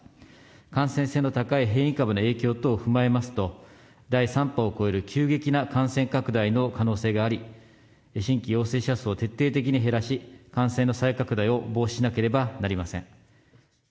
感染性の高い変異株の影響等を踏まえますと、第３波を超える急激な感染拡大の可能性があり、新規陽性者数を徹底的に減らし、感染の再拡大を防止しなければなりません。